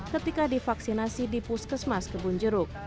ketika divaksinasi di puskesmas kebun jeruk